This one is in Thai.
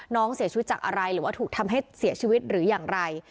น้องเสียชีวิตจากอะไรหรือว่าถูกทำให้เสียชีวิตหรืออย่างไร